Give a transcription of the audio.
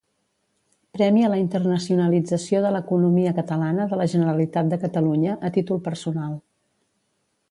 Premi a la internacionalització de l'Economia Catalana de la Generalitat de Catalunya, a títol personal.